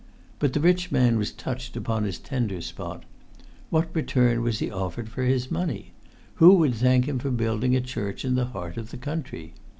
But the rich man was touched upon his tender spot. What return was he offered for his money? Who would thank him for building a church in the heart of the country?